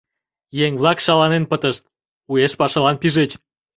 Еҥ-влак шаланен пытышт, уэш пашалан пижыч.